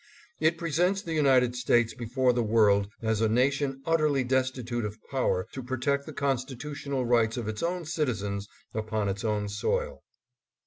It presents the United States before the world as a nation utterly destitute of power to protect the consti tutional rights of its own citizens upon its own soil.